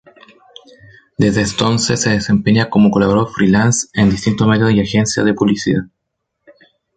Desde entonces se desempeña como colaborador free-lance en distintos medios y agencias de publicidad.